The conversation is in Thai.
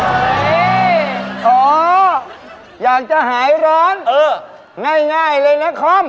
โอ๊ยโอ๊ยอยากจะหายร้อนง่ายเลยนะคอม